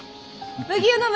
麦湯飲む？